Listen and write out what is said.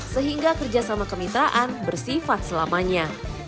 sehingga kerjasama kemitraan bersifat selamanya